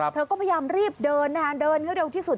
เธอก็พยายามรีบเดินเดินดีกว่าเร็วที่สุด